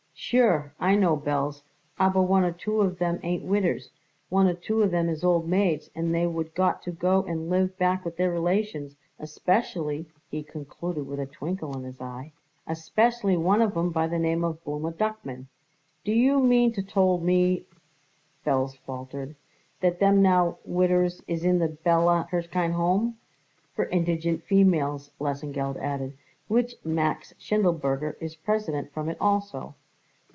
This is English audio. "Sure, I know, Belz; aber one or two of 'em ain't widders. One or two of 'em is old maids and they would got to go and live back with their relations. Especially" he concluded with a twinkle in his eye "especially one of 'em by the name Blooma Duckman." "Do you mean to told me," Belz faltered, "that them now widders is in the Bella Hirshkind Home?" "For Indignant Females," Lesengeld added, "which Max Schindelberger is president from it also."